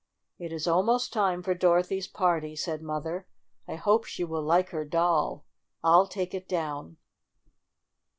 "It is almost time for Dorothy's party," said Mother. "I hope she will like her doll. I'll take it down."